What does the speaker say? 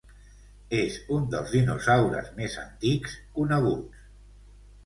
És un dels dinosaures més antics coneguts.